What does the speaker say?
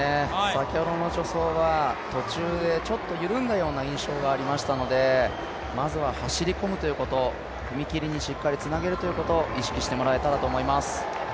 先ほどの助走は途中でちょっと緩んだような印象がありましたのでまずは走り込むということ、踏み切りにしっかりつなげるということを意識してもらいたいと思います。